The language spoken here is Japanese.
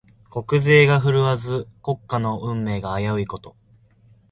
国勢が振るわず、国家の運命が危ういこと。